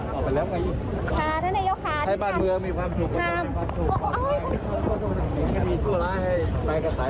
โอเคขอบคุณอ่าถ้านายกค่ะปีนี้อาจจะล่มเย็นเวลาล่มเหลือนะคะถ้านายก